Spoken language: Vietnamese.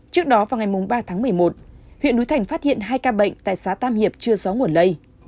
trước đó vào ngày ba tháng một mươi một huyện núi thành phát hiện hai ca bệnh tại xã tam hiệp chưa rõ nguồn lây